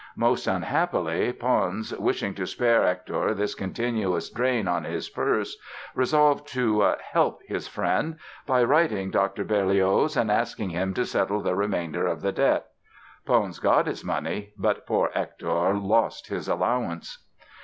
Most unhappily Pons, wishing to spare Hector this continuous drain on his purse, resolved to "help" his friend by writing Dr. Berlioz and asking him to settle the remainder of the debt. Pons got his money—but poor Hector lost his allowance!